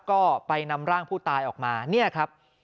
ก็ไปนำร่างผู้ตายออกมาเนี่ยครับ